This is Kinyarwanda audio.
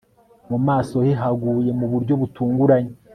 Mu maso he haguye mu buryo butunguranye